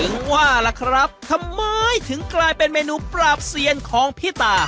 ถึงว่าล่ะครับทำไมถึงกลายเป็นเมนูปราบเซียนของพี่ตา